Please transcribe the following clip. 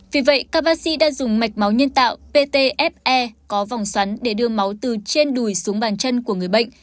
vì vậy các bác sĩ đã dùng mạch máu nhân tạo ptfe có vòng sắn để đưa máu từ trên đùi xuống bàn chân của người bệnh